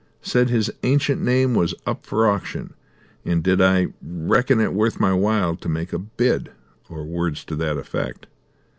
Said his ancient name was up for auction, and did I reckon it worth my while to make a bid, or words to that effect.